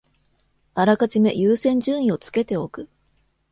あらかじめ優先順位をつけておく